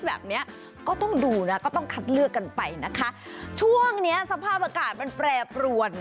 แบบเนี้ยก็ต้องดูนะก็ต้องคัดเลือกกันไปนะคะช่วงเนี้ยสภาพอากาศมันแปรปรวน